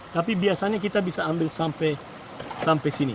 tapi biasanya kita bisa ambil sampai sini